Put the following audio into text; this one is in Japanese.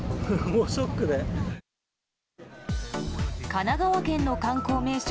神奈川県の観光名所